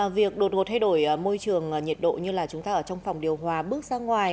việc đột ngột thay đổi môi trường nhiệt độ như là chúng ta ở trong phòng điều hòa bước ra ngoài